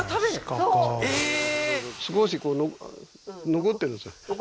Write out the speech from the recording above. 少し残ってるんですよ